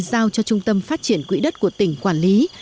giao cho trung tâm phát triển quỹ đất của tỉnh quản lý